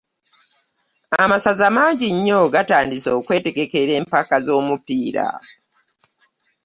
Amasaza mangi nnyo gatandise okwetegekera empaka z'omupiira.